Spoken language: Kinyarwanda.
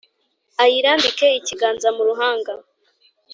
Ayirambike ikiganza mu ruhanga